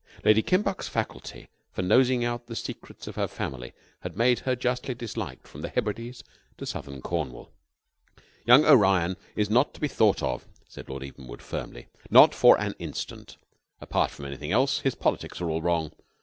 Lady Kimbuck's faculty for nosing out the secrets of her family had made her justly disliked from the Hebrides to Southern Cornwall. "Young O'Rion is not to be thought of," said Lord Evenwood firmly. "Not for an instant. Apart from anything else, his politics are all wrong.